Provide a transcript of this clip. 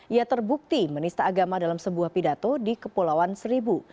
ia terbukti menista agama dalam sebuah pidato di kepulauan seribu